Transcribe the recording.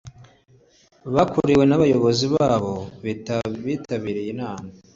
Bakuriwe n’ abayobozi babo bitabiriye inama